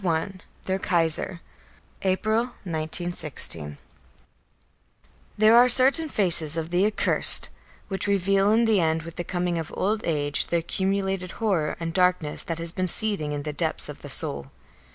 I THEIR KAISER April, 1916. There are certain faces of the accursed, which reveal in the end with the coming of old age the accumulated horror and darkness that has been seething in the depths of the soul.